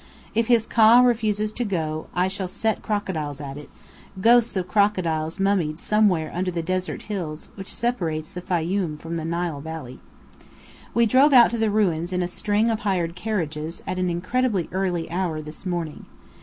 If his Ka refuses to go I shall set crocodiles at it ghosts of crocodiles mummied somewhere under the desert hills which separate the Fayoum from the Nile Valley. We drove out to the ruins in a string of hired carriages, at an incredibly early hour this morning.